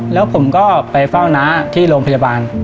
แล้วผมก็ไปเฝ้าน้าที่โรงพยาบาล